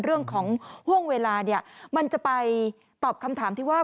เรื่องของห่วงเวลามันจะไปตอบคำถามที่ว่า